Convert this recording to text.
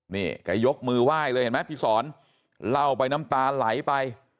นี่แกยกมือไหว้เลยเห็นไหมพี่สอนเล่าไปน้ำตาไหลไป